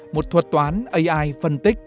một thuật toán ai phân tích